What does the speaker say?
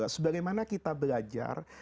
sebagai mana kita belajar